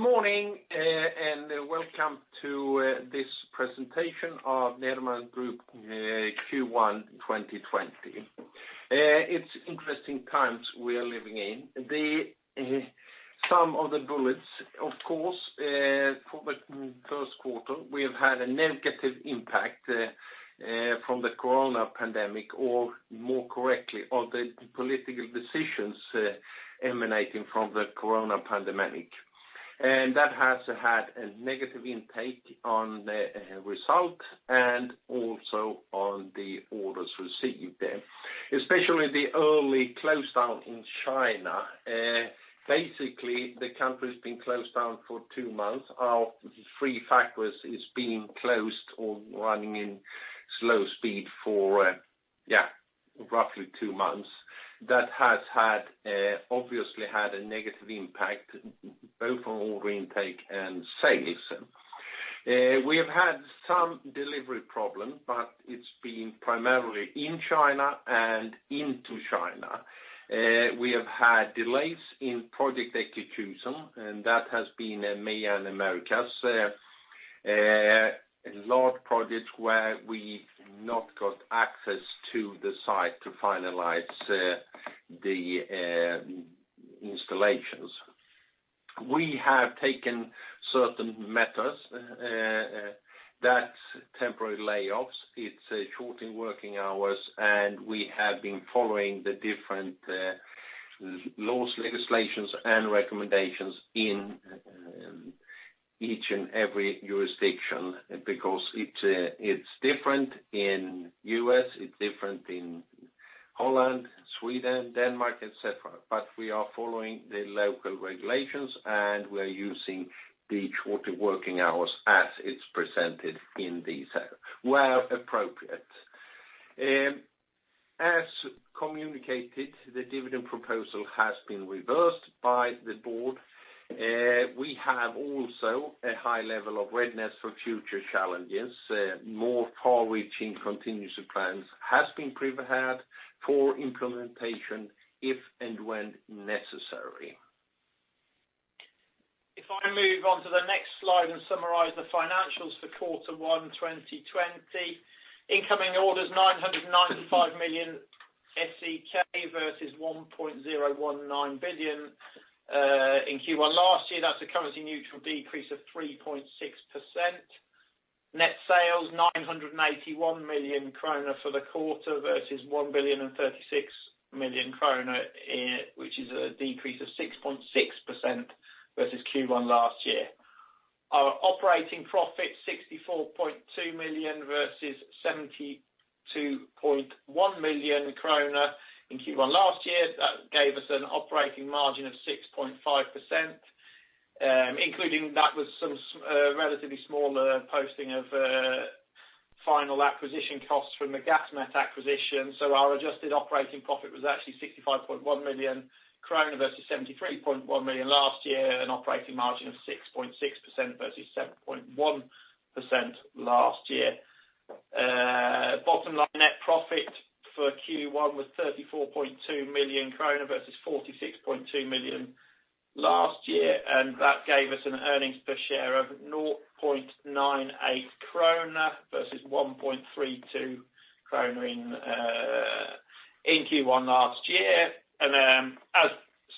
Good morning, welcome to this presentation of Nederman Group Q1 2020. It's interesting times we are living in. Some of the bullets, of course, for the first quarter, we have had a negative impact from the COVID pandemic, or more correctly, of the political decisions emanating from the COVID pandemic. That has had a negative impact on the result and also on the orders received, especially the early close down in China. Basically, the country's been closed down for 2 months. Our 3 factories is being closed or running in slow speed for roughly 2 months. That has obviously had a negative impact both on order intake and sales. We have had some delivery problems, but it's been primarily in China and into China. We have had delays in project execution, that has been in EMEA and Americas. Large projects where we not got access to the site to finalize the installations. We have taken certain methods, that's temporary layoffs, it's shortened working hours, and we have been following the different laws, legislations, and recommendations in each and every jurisdiction, because it's different in U.S., it's different in Holland, Sweden, Denmark, et cetera. We are following the local regulations, and we are using the shortened working hours as it's presented where appropriate. As communicated, the dividend proposal has been reversed by the board. We have also a high level of readiness for future challenges. More far-reaching contingency plans has been prepared for implementation if and when necessary. I move on to the next slide and summarize the financials for quarter one 2020. Incoming orders 995 million SEK versus 1.019 billion in Q1 last year. That's a currency neutral decrease of 3.6%. Net sales 981 million krona for the quarter versus 1.036 billion, which is a decrease of 6.6% versus Q1 last year. Our operating profit 64.2 million versus 72.1 million kronor in Q1 last year. That gave us an operating margin of 6.5%, including that was some relatively small posting of final acquisition costs from the Gasmet acquisition. Our adjusted operating profit was actually 65.1 million krona versus 73.1 million last year, an operating margin of 6.6% versus 7.1% last year. Bottom line net profit for Q1 was 34.2 million krona versus 46.2 million last year, and that gave us an earnings per share of 0.98 krona versus 1.32 krona in Q1 last year. As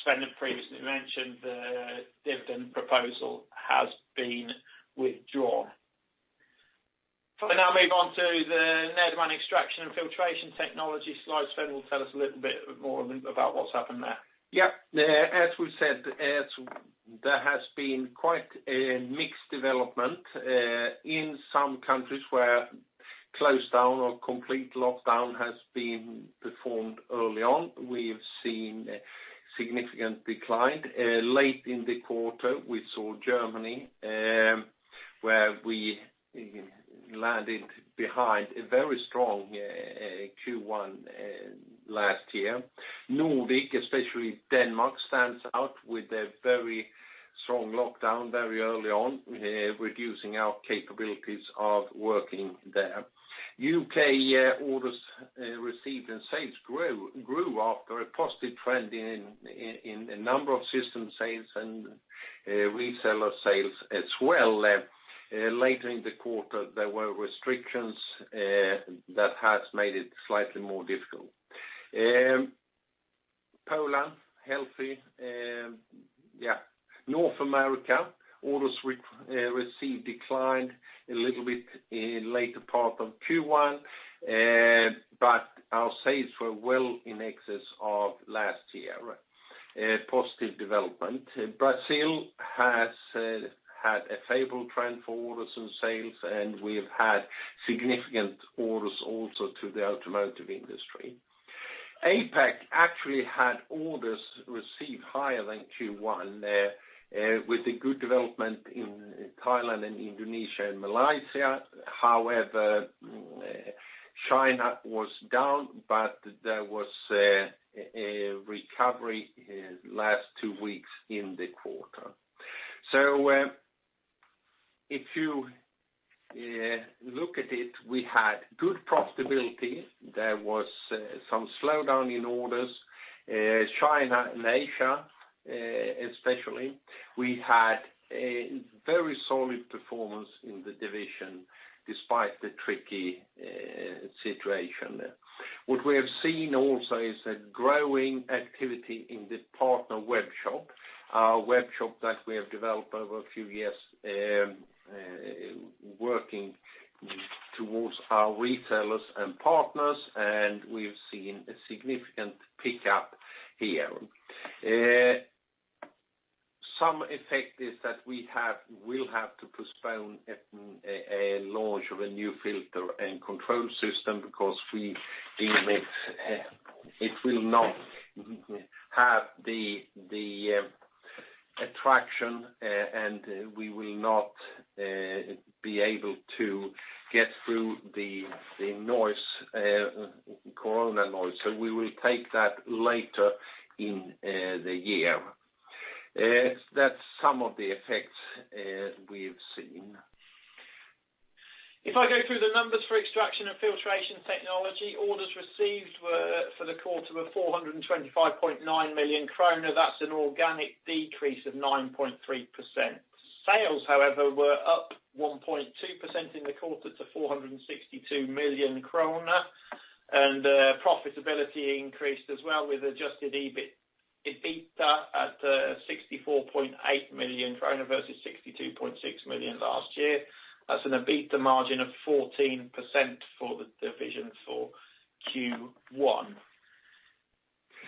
Sven previously mentioned, the dividend proposal has been withdrawn. We now move on to the Nederman Extraction and Filtration Technology slides, Sven will tell us a little bit more about what's happened there. As we said, there has been quite a mixed development, in some countries where close down or complete lockdown has been performed early on. We have seen a significant decline. Late in the quarter, we saw Germany, where we landed behind a very strong Q1 last year. Nordic, especially Denmark, stands out with a very strong lockdown very early on, reducing our capabilities of working there. U.K. orders received and sales grew after a positive trend in a number of system sales and reseller sales as well. Later in the quarter, there were restrictions that has made it slightly more difficult. Poland, healthy. North America, orders received declined a little bit in later part of Q1, but our sales were well in excess of last year. A positive development. Brazil has had a favorable trend for orders and sales, and we've had significant orders also to the automotive industry. APAC actually had orders received higher than Q1, with a good development in Thailand and Indonesia and Malaysia. However, China was down, but there was a recovery last two weeks in the quarter. If you look at it, we had good profitability. There was some slowdown in orders, China and Asia especially. We had a very solid performance in the division despite the tricky situation there. What we have seen also is a growing activity in the partner webshop, a webshop that we have developed over a few years, working towards our retailers and partners, and we've seen a significant pickup here. Some effect is that we'll have to postpone a launch of a new filter and control system because we feel it will not have the attraction, and we will not be able to get through the corona noise. We will take that later in the year. That's some of the effects we've seen. If I go through the numbers for Extraction and Filtration Technology, orders received for the quarter were 425.9 million kronor. That's an organic decrease of 9.3%. Sales, however, were up 1.2% in the quarter to 462 million kronor, and profitability increased as well, with adjusted EBITDA at 64.8 million kronor versus 62.6 million last year. That's an EBITDA margin of 14% for the division for Q1.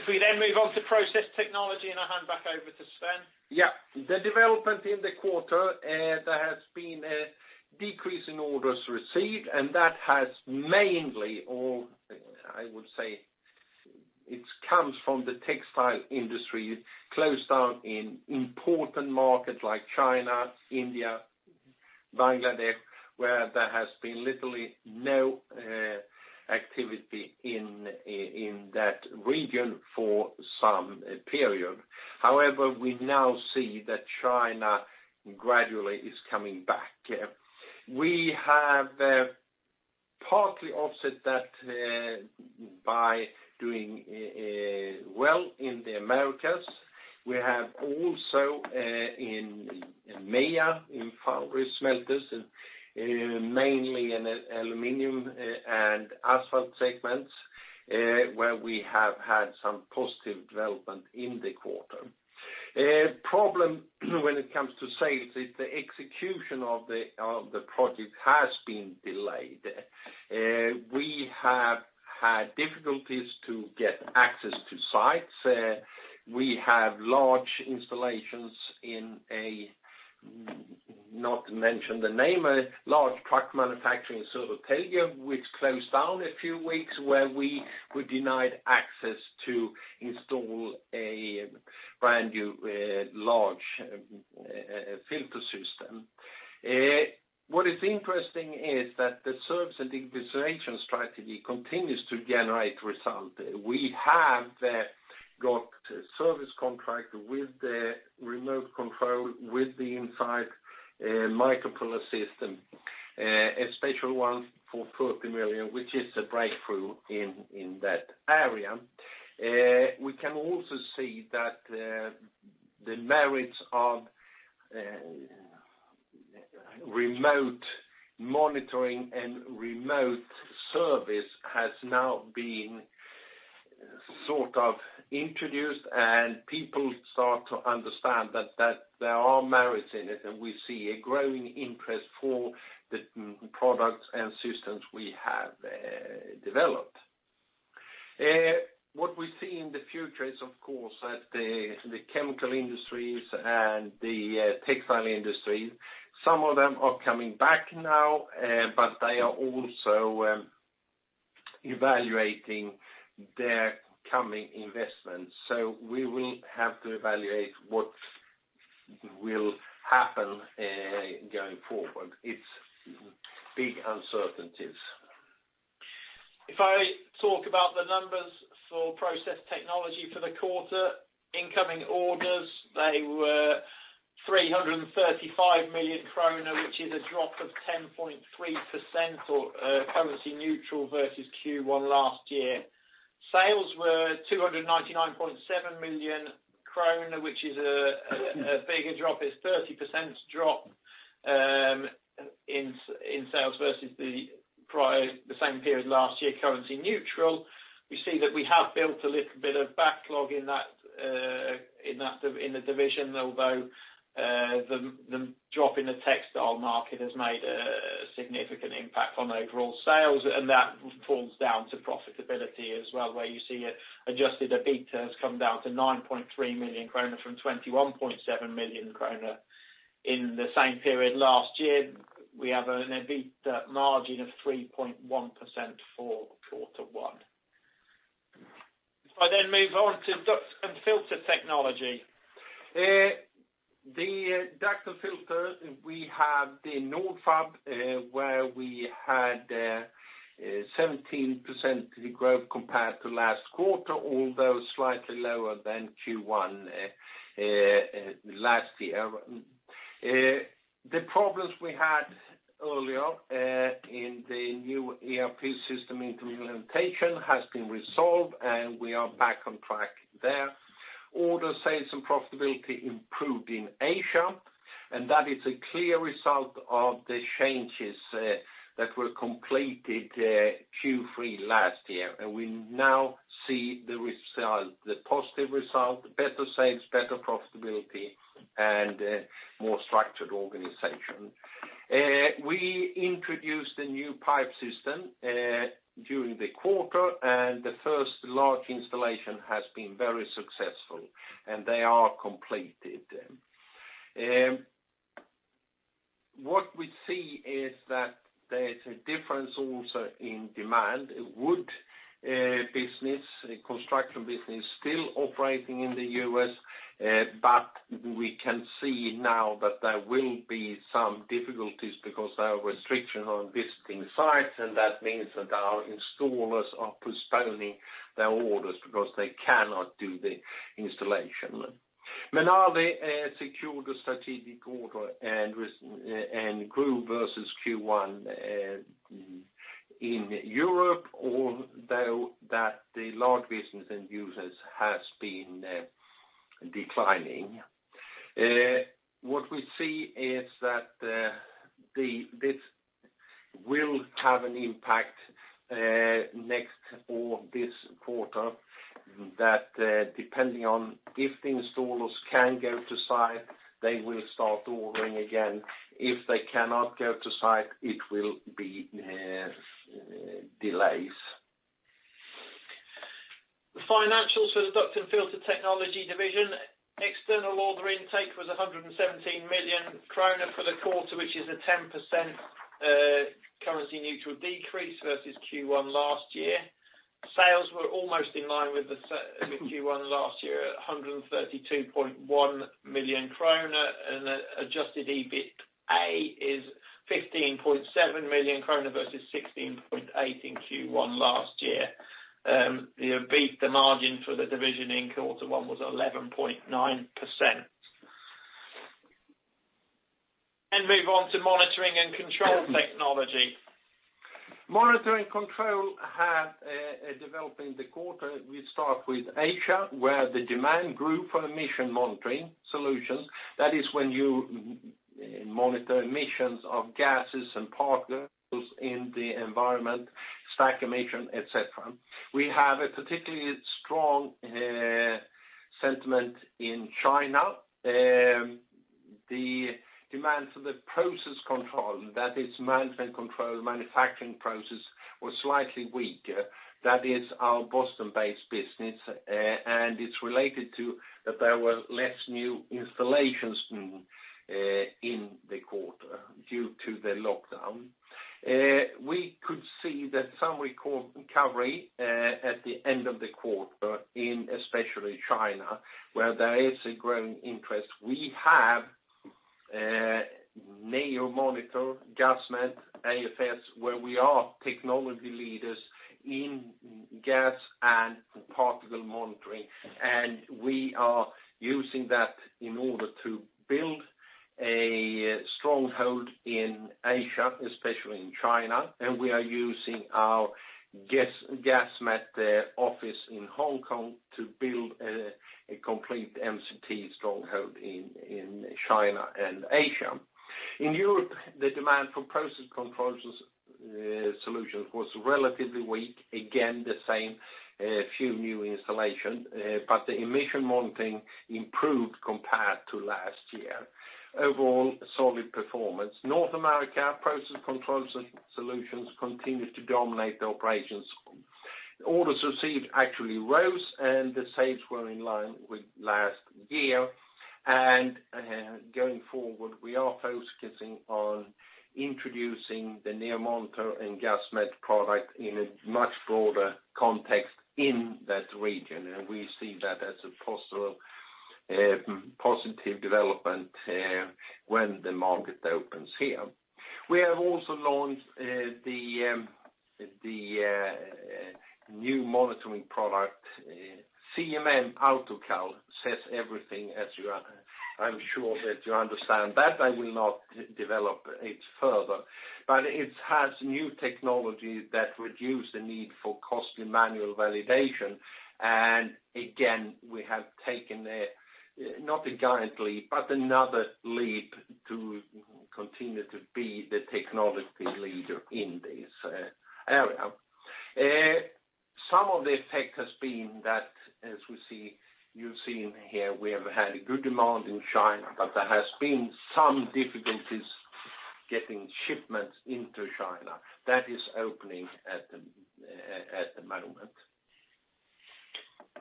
If we then move on to Process Technology, I'll hand back over to Sven. Yeah. The development in the quarter, there has been a decrease in orders received. That has mainly, or I would say, it comes from the textile industry close down in important markets like China, India, Bangladesh, where there has been literally no activity in that region for some period. However, we now see that China gradually is coming back. We have partly offset that by doing well in the Americas. We have also in EMEA, in foundry smelters, mainly in aluminum and asphalt segments, where we have had some positive development in the quarter. Problem when it comes to sales is the execution of the project has been delayed. We have had difficulties to get access to sites. We have large installations in a, not mention the name, a large truck manufacturing in Södertälje, which closed down a few weeks, where we were denied access to install a brand-new large filter system. What is interesting is that the service and digitization strategy continues to generate result. We have got service contract with the remote control, with the Insight MikroPul system, a special one for 30 million, which is a breakthrough in that area. We can also see that the merits of remote monitoring and remote service has now been sort of introduced. People start to understand that there are merits in it. We see a growing interest for the products and systems we have developed. What we see in the future is, of course, that the chemical industries and the textile industries, some of them are coming back now. They are also evaluating their coming investments. We will have to evaluate what will happen going forward. It's big uncertainties. If I talk about the numbers for Process Technology for the quarter, incoming orders, they were 335 million kronor, which is a drop of 10.3% or currency neutral versus Q1 last year. Sales were 299.7 million krona, which is a bigger drop. It's 30% drop in sales versus the same period last year, currency neutral. We see that we have built a little bit of backlog in the division, although the drop in the textile market has made a significant impact on overall sales. That falls down to profitability as well, where you see adjusted EBITDA has come down to 9.3 million kronor from 21.7 million kronor in the same period last year. We have an EBITDA margin of 3.1% for quarter one. If I move on to Duct & Filter Technology. The Ducts and Filters, we have the Nordfab, where we had 17% growth compared to last quarter, although slightly lower than Q1 last year. The problems we had earlier in the new ERP system implementation has been resolved, we are back on track there. Order sales and profitability improved in Asia, that is a clear result of the changes that were completed Q3 last year. We now see the positive result, better sales, better profitability, and a more structured organization. We introduced a new pipe system during the quarter, the first large installation has been very successful, they are completed. What we see is that there is a difference also in demand. Wood business, construction business, still operating in the U.S., we can see now that there will be some difficulties because there are restriction on visiting sites, that means that our installers are postponing their orders because they cannot do the installation. Minol secured a strategic order and grew versus Q1 in Europe, although that the large business end users has been declining. What we see is that this will have an impact next or this quarter, that depending on if the installers can go to site, they will start ordering again. If they cannot go to site, it will be delays. The financials for the Duct & Filter Technology division. External order intake was 117 million kronor for the quarter, which is a 10% currency neutral decrease versus Q1 last year. Sales were almost in line with Q1 last year at 132.1 million krona, adjusted EBITA is 15.7 million krona versus 16.8 in Q1 last year. The EBIT, the margin for the division in quarter one was 11.9%. Move on to Monitoring and Control Technology. Monitoring Control had a development in the quarter. We start with Asia, where the demand grew for emission monitoring solutions. That is when you monitor emissions of gases and particles in the environment, stack emission, et cetera. We have a particularly strong sentiment in China. The demand for the process control, that is management control, manufacturing process, was slightly weak. That is our Boston-based business, it's related to that there were less new installations made in the quarter due to the lockdown. We could see that some recovery at the end of the quarter in especially China, where there is a growing interest. We have NEO Monitors, Gasmet, AFS, where we are technology leaders in gas and particle monitoring. We are using that in order to build a stronghold in Asia, especially in China, and we are using our Gasmet office in Hong Kong to build a complete MCT stronghold in China and Asia. In Europe, the demand for process control solutions was relatively weak. Again, the same few new installations, but the emission monitoring improved compared to last year. Overall, solid performance. North America, process control solutions continued to dominate the operations. Orders received actually rose, and the sales were in line with last year. Going forward, we are focusing on introducing the NEO Monitors and Gasmet product in a much broader context in that region, and we see that as a positive development when the market opens here. We have also launched the new monitoring product, CMM AutoCal, says everything, as I am sure that you understand that I will not develop it further. It has new technology that reduce the need for costly manual validation, and again, we have taken a, not a giant leap, but another leap to continue to be the technology leader in this area. Some of the effect has been that, as you've seen here, we have had a good demand in China, but there has been some difficulties getting shipments into China. That is opening at the moment.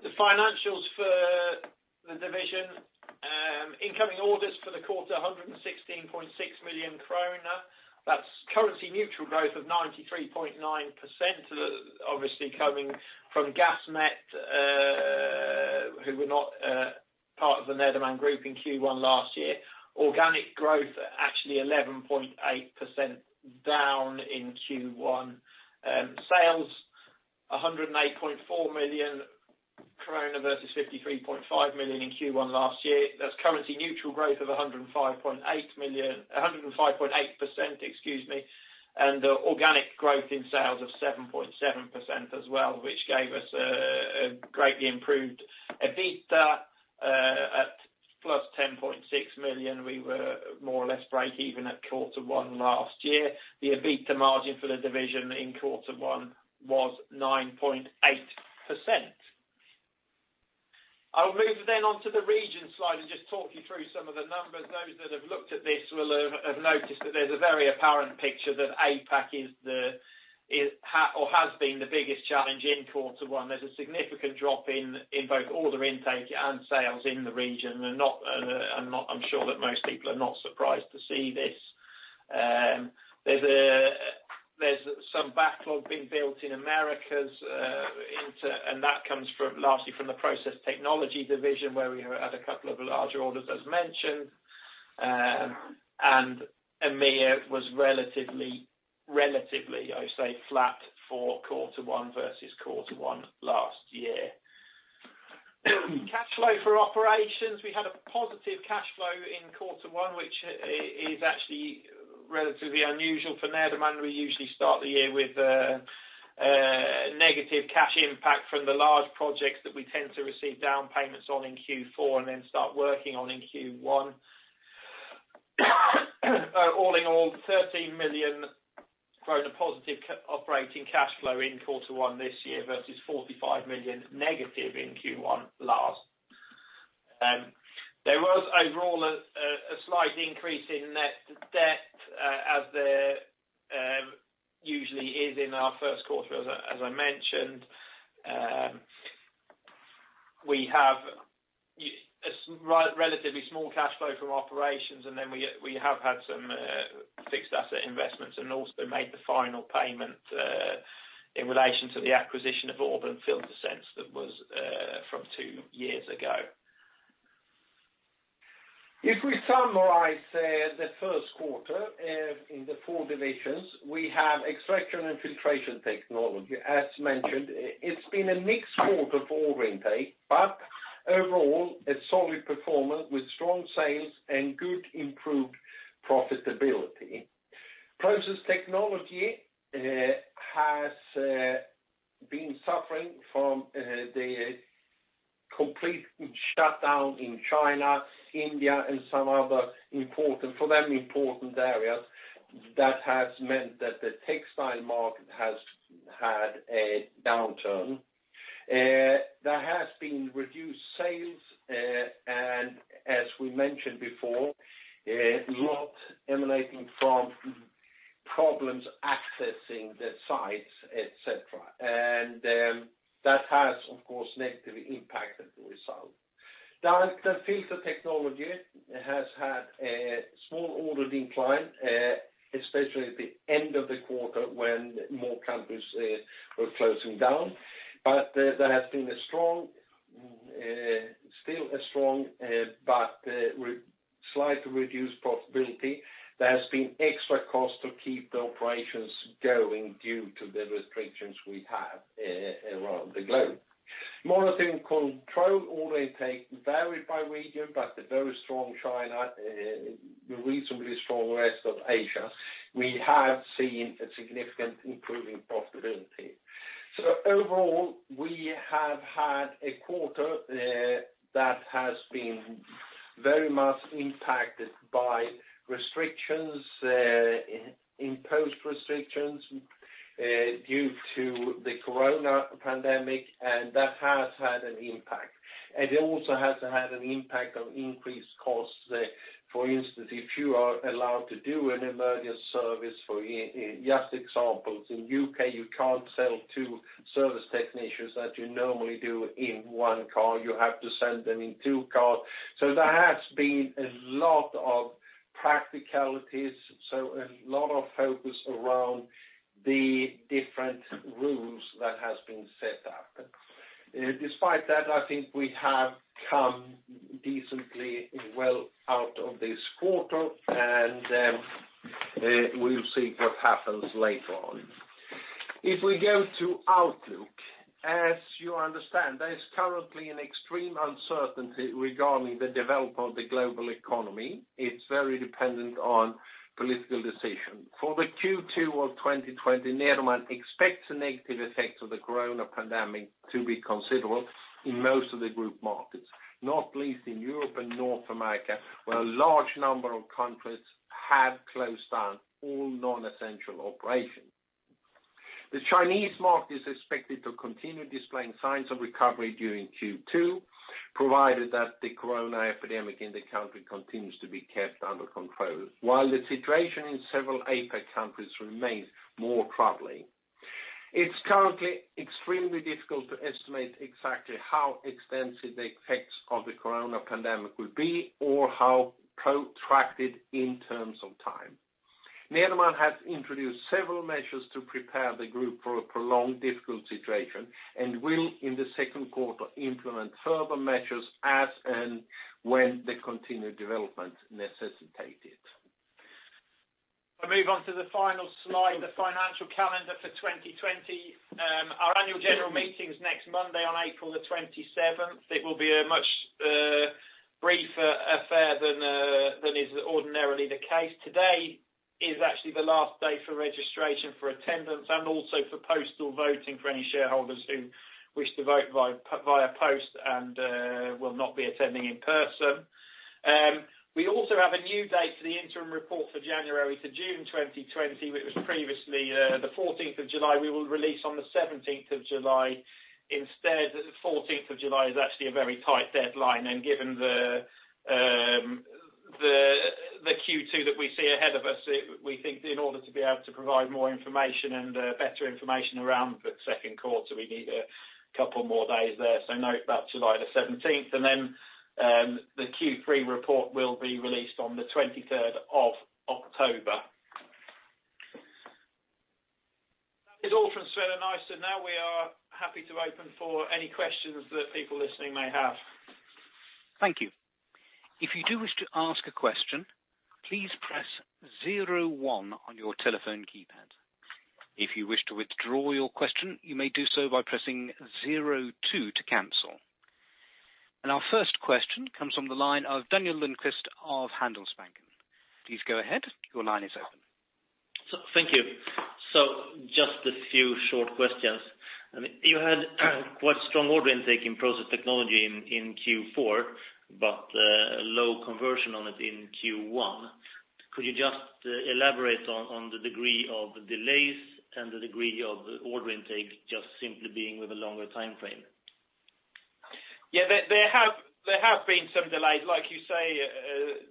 The financials for the division. Incoming orders for the quarter, 116.6 million kronor. That's currency neutral growth of 93.9%, obviously coming from Gasmet. We're not part of the Nederman Group in Q1 last year. Organic growth actually 11.8% down in Q1. Sales, 108.4 million versus 53.5 million in Q1 last year. That's currency neutral growth of 105.8%, and organic growth in sales of 7.7% as well, which gave us a greatly improved EBITDA at +10.6 million. We were more or less breakeven at quarter one last year. The EBITDA margin for the division in quarter one was 9.8%. I'll move then on to the region slide and just talk you through some of the numbers. Those that have looked at this will have noticed that there's a very apparent picture that APAC has been the biggest challenge in quarter one. There's a significant drop in both order intake and sales in the region. I'm sure that most people are not surprised to see this. There's some backlog being built in Americas, that comes largely from the Process Technology division, where we had a couple of larger orders as mentioned, EMEA was relatively, I say, flat for quarter one versus quarter one last year. Cash flow for operations. We had a positive cash flow in quarter one, which is actually relatively unusual for Nederman. We usually start the year with negative cash impact from the large projects that we tend to receive down payments on in Q4 and then start working on in Q1. All in all, 13 million kronor positive operating cash flow in quarter one this year versus 45 million negative in Q1 last. There was overall a slight increase in net debt, as there usually is in our first quarter, as I mentioned. We have a relatively small cash flow from operations, and then we have had some fixed asset investments and also made the final payment in relation to the acquisition of Auburn FilterSense that was from two years ago. If we summarize the first quarter in the four divisions, we have Extraction and Filtration Technology. As mentioned, it's been a mixed quarter for order intake, but overall a solid performance with strong sales and good improved profitability. Process Technology has been suffering from the complete shutdown in China, India and some other important, for them, important areas that has meant that the textile market has had a downturn. There has been reduced sales, and as we mentioned before, a lot emanating from problems accessing the sites, et cetera. That has, of course, negatively impacted the result. Duct & Filter Technology has had a small order decline, especially at the end of the quarter when more countries were closing down. There has been still a strong but slightly reduced profitability. There has been extra cost to keep the operations going due to the restrictions we have around the globe. Monitoring & Control Technology order intake varied by region, but a very strong China, reasonably strong rest of Asia. We have seen a significant improving profitability. Overall, we have had a quarter that has been very much impacted by restrictions, imposed restrictions due to the COVID pandemic, and that has had an impact, and it also has had an impact on increased costs. For instance, if you are allowed to do an emergency service, for just examples, in U.K., you can't send two service technicians that you normally do in one car, you have to send them in two cars. There has been a lot of practicalities, a lot of focus around the different rules that has been set up. Despite that, I think we have come decently well out of this quarter, and we'll see what happens later on. If we go to outlook, as you understand, there is currently an extreme uncertainty regarding the development of the global economy. It's very dependent on political decision. For the Q2 of 2020, Nederman expects a negative effect of the COVID pandemic to be considerable in most of the group markets, not least in Europe and North America, where a large number of countries have closed down all non-essential operations. The Chinese market is expected to continue displaying signs of recovery during Q2, provided that the COVID epidemic in the country continues to be kept under control, while the situation in several APAC countries remains more troubling. It's currently extremely difficult to estimate exactly how extensive the effects of the COVID pandemic will be or how protracted in terms of time. Nederman has introduced several measures to prepare the group for a prolonged difficult situation, and will, in the second quarter, implement further measures as and when the continued development necessitate it. I move on to the final slide, the financial calendar for 2020. Our annual general meeting's next Monday on April the 27th. It will be a much briefer affair than is ordinarily the case. Today is actually the last day for registration for attendance and also for postal voting for any shareholders who wish to vote via post and will not be attending in person. We also have a new date for the interim report for January to June 2020, which was previously the 14th of July. We will release on the 17th of July instead. 14th of July is actually a very tight deadline, and given the Q2 that we see ahead of us, we think in order to be able to provide more information and better information around the second quarter, we need a couple more days there. Note that July the 17th. The Q3 report will be released on the 23rd of October. That is all from Sven and I. Now we are happy to open for any questions that people listening may have. Thank you. If you do wish to ask a question, please press zero one on your telephone keypad. If you wish to withdraw your question, you may do so by pressing zero two to cancel. Our first question comes from the line of Daniel Lindkvist of Handelsbanken. Please go ahead. Your line is open. Thank you. Just a few short questions. You had quite strong order intake in Process Technology in Q4, but low conversion on it in Q1. Could you just elaborate on the degree of delays and the degree of order intake just simply being with a longer timeframe? There have been some delays. Like you say,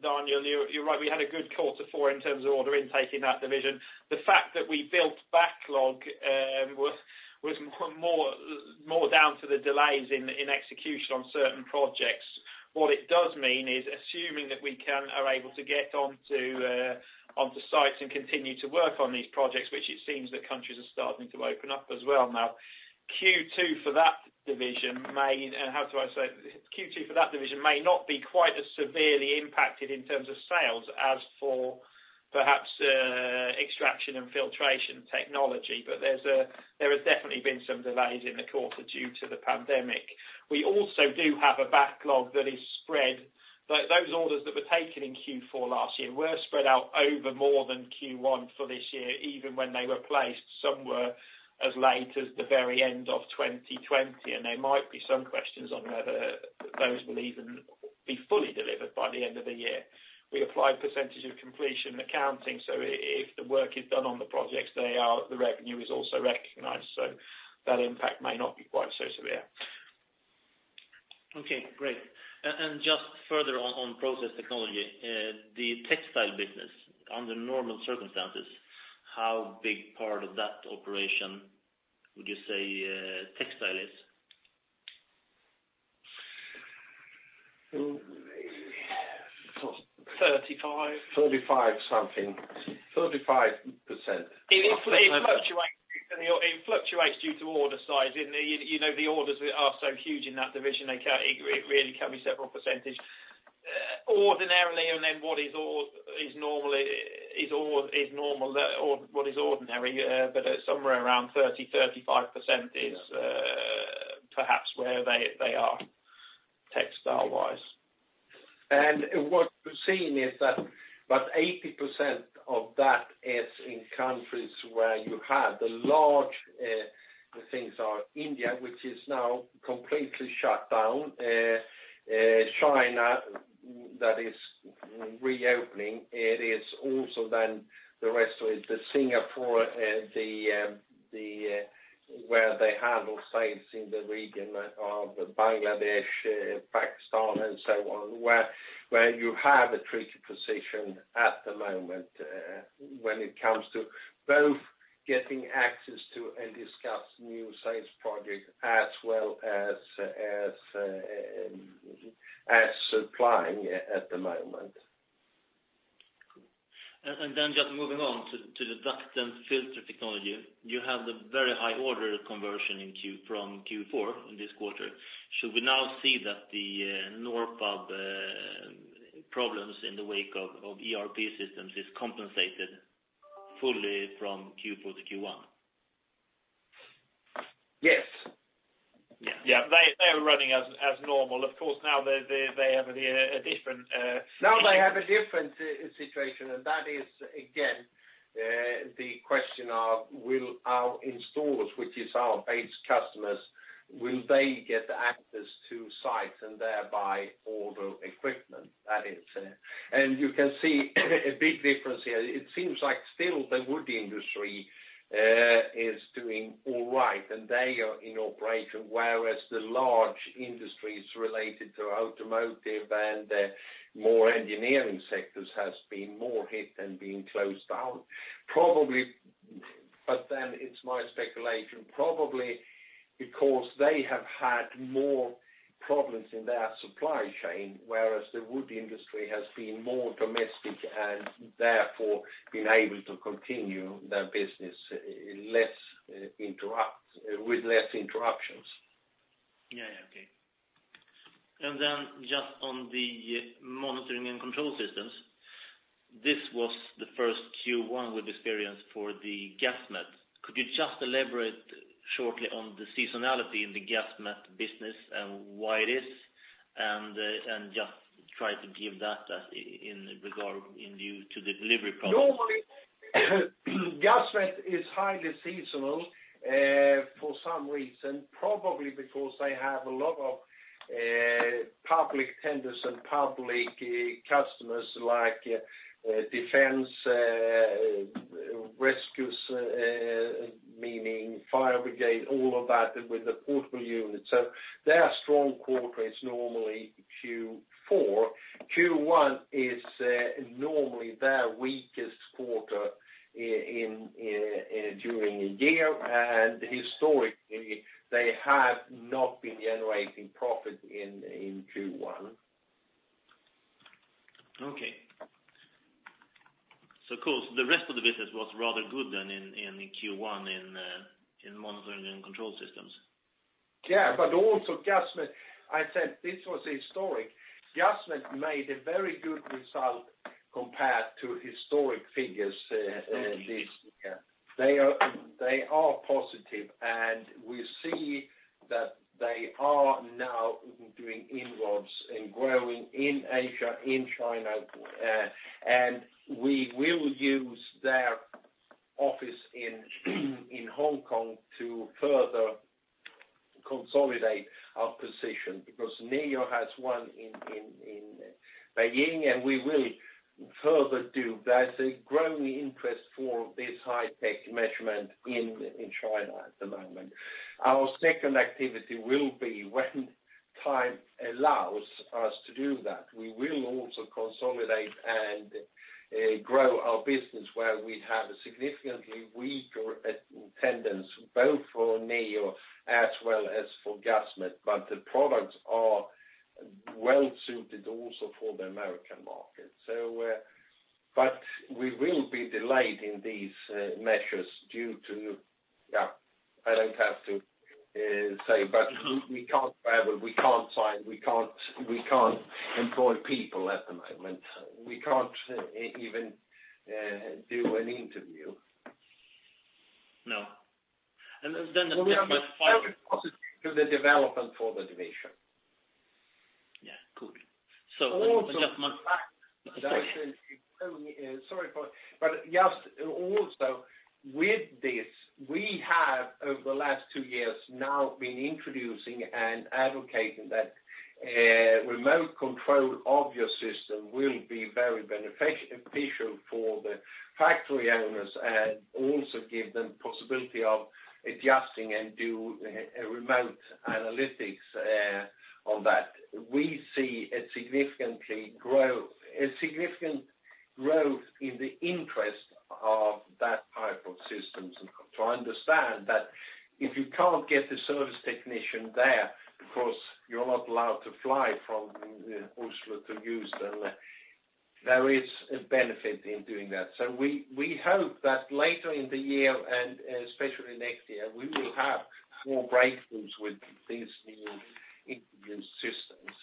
Daniel, you are right, we had a good quarter four in terms of order intake in that division. The fact that we built backlog was more down to the delays in execution on certain projects. What it does mean is assuming that we are able to get onto sites and continue to work on these projects, which it seems that countries are starting to open up as well now, Q2 for that division may not be quite as severely impacted in terms of sales as for perhaps Extraction and Filtration Technology, but there has definitely been some delays in the quarter due to the pandemic. We also do have a backlog that is spread. Those orders that were taken in Q4 last year were spread out over more than Q1 for this year. Even when they were placed, some were as late as the very end of 2020, and there might be some questions on whether those will even be fully delivered by the end of the year. We applied percentage of completion accounting, if the work is done on the projects, the revenue is also recognized. That impact may not be quite so severe. Okay, great. Just further on Process Technology, the textile business, under normal circumstances, how big part of that operation would you say textile is? 35. 35 something. 35%. It fluctuates due to order size. The orders are so huge in that division, it really can be several percentage. Ordinarily, what is normal or what is ordinary, but somewhere around 30%-35% is perhaps where they are textile-wise. What we're seeing is that about 80% of that is in countries where you have the large. The things are India, which is now completely shut down. China, that is reopening. It is also then the rest of it, the Singapore, where they handle sales in the region of Bangladesh, Pakistan and so on, where you have a tricky position at the moment when it comes to both getting access to and discuss new sales projects as well as supplying at the moment. Just moving on to the Duct & Filter Technology, you have the very high order conversion from Q4 in this quarter. Should we now see that the Nordfab problems in the wake of ERP systems is compensated fully from Q4 to Q1? Yes. Yeah. They are running as normal. Of course, now they have a different. Now they have a different situation, that is, again, the question of will our installers, which is our base customers, will they get access to sites and thereby order equipment? That is. You can see a big difference here. It seems like still the wood industry is doing all right and they are in operation, whereas the large industries related to automotive and more engineering sectors has been more hit and been closed down. Probably it's my speculation, probably because they have had more problems in their supply chain, whereas the wood industry has been more domestic and therefore been able to continue their business with less interruptions. Yeah, okay. Just on the monitoring and control systems, this was the first Q1 with experience for the Gasmet. Could you just elaborate shortly on the seasonality in the Gasmet business and why it is, and just try to give that in regard, in view to the delivery problems? Normally, Gasmet is highly seasonal for some reason, probably because they have a lot of public tenders and public customers like defense rescues, meaning fire brigade, all of that with the portable unit. Their strong quarter is normally Q4. Q1 is normally their weakest quarter during a year, and historically, they have not been generating profit in Q1. Okay. Of course, the rest of the business was rather good then in Q1 in Monitoring and Control Systems. Yeah, also Gasmet, I said this was historic. Gasmet made a very good result compared to historic figures this year. They are positive, and we see that they are now doing inroads and growing in Asia, in China, and we will use their office in Hong Kong to further consolidate our position because NEO has one in Beijing and we will further do. There's a growing interest for this high-tech measurement in China at the moment. Our second activity will be, when time allows us to do that, we will also consolidate and grow our business where we have a significantly weaker attendance, both for NEO as well as for Gasmet. The products are well suited also for the American market. We will be delayed in these measures due to, I don't have to say, but we can't travel, we can't sign, we can't employ people at the moment. We can't even do an interview. No. We are very positive to the development for the division. Yeah, good. Just. Also, in fact, just also with this, we have, over the last two years now, been introducing and advocating that remote control of your system will be very beneficial for the factory owners and also give them possibility of adjusting and do remote analytics on that. We see a significant growth in the interest of that type of systems. Try to understand that if you can't get the service technician there because you're not allowed to fly from Oslo to Houston, there is a benefit in doing that. We hope that later in the year, and especially next year, we will have more breakthroughs with these new systems.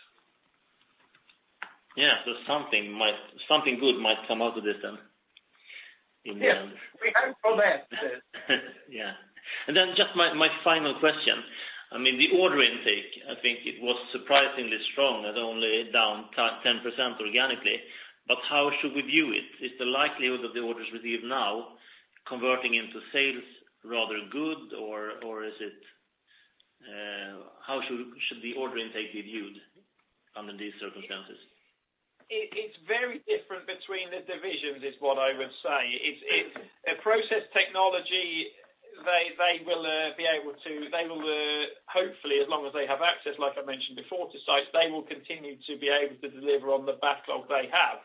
Yeah. Something good might come out of this then, in the end. Yes. We hope for that. Yeah. Just my final question. The order intake, I think it was surprisingly strong at only down 10% organically. How should we view it? Is the likelihood of the orders received now converting into sales rather good, or how should the order intake be viewed under these circumstances? It's very different between the divisions is what I would say. In Process Technology, they will hopefully, as long as they have access, like I mentioned before, to sites, they will continue to be able to deliver on the backlog they have.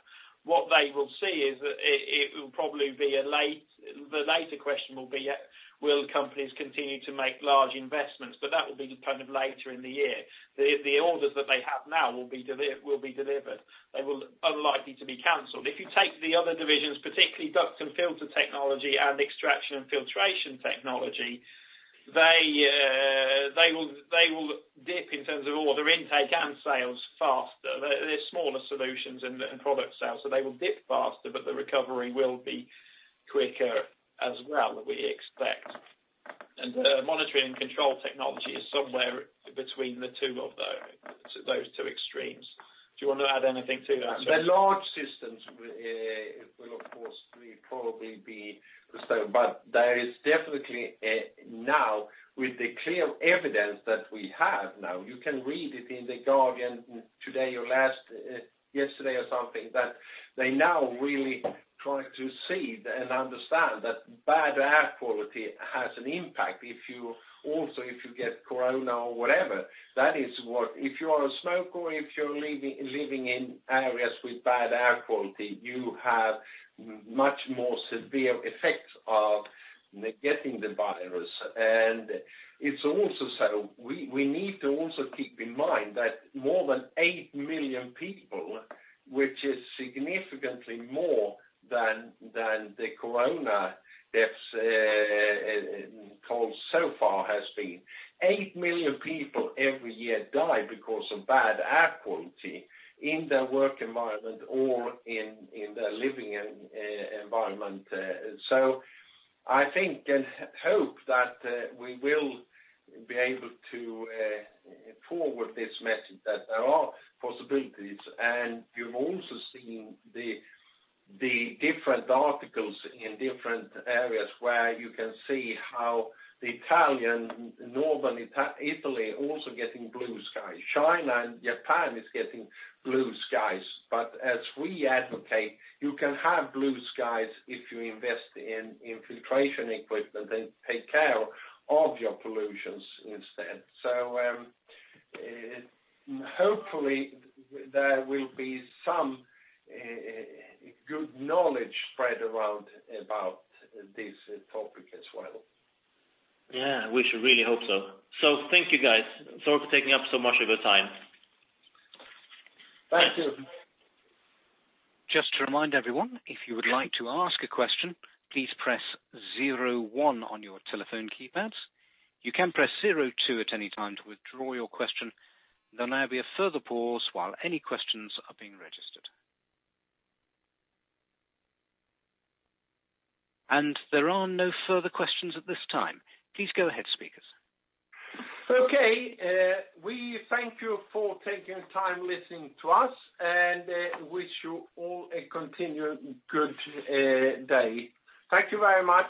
What they will see is that it will probably be a late. The later question will be, will companies continue to make large investments? That will be later in the year. The orders that they have now will be delivered. They will unlikely to be canceled. If you take the other divisions, particularly Ducts and Filter Technology and Extraction and Filtration Technology, they will dip in terms of order intake and sales faster. They're smaller solutions and product sales, so they will dip faster. The recovery will be quicker as well, we expect. The Monitoring and Control Technology is somewhere between the two of those two extremes. Do you want to add anything to that? The large systems will of course, probably be so, but there is definitely now with the clear evidence that we have now, you can read it in The Guardian today or yesterday or something, that they now really try to see and understand that bad air quality has an impact also if you get corona or whatever. If you are a smoker or if you're living in areas with bad air quality, you have much more severe effects of getting the virus. It's also so, we need to also keep in mind that more than 8 million people, which is significantly more than the COVID death toll so far has been, 8 million people every year die because of bad air quality in their work environment or in their living environment. I think and hope that we will be able to forward this message, that there are possibilities, You've also seen the different articles in different areas where you can see how Northern Italy also getting blue skies. China and Japan is getting blue skies. As we advocate, you can have blue skies if you invest in filtration equipment and take care of your pollutions instead. Hopefully, there will be some good knowledge spread around about this topic as well. Yeah. We should really hope so. Thank you, guys. Sorry for taking up so much of your time. Thank you. Just to remind everyone, if you would like to ask a question, please press zero one on your telephone keypads. You can press zero two at any time to withdraw your question. There'll now be a further pause while any questions are being registered. There are no further questions at this time. Please go ahead, speakers. Okay. We thank you for taking time listening to us, and wish you all a continued good day. Thank you very much.